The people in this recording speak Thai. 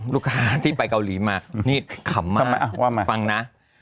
ลูกค้าที่ไปเกาหลีมานี่ขำมากฟังนะ